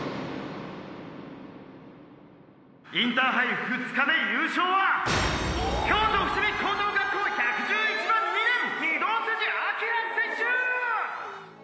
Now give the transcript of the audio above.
「インターハイ２日目優勝は京都伏見高等学校１１１番２年御堂筋翔選手ーー！！」